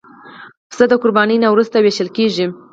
پسه د قربانۍ نه وروسته وېشل کېږي.